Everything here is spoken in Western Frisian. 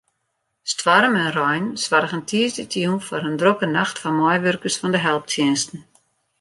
Stoarm en rein soargen tiisdeitejûn foar in drokke nacht foar meiwurkers fan de helptsjinsten.